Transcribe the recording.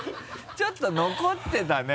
ちょっと残ってたね。